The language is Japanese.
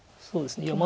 そうですね。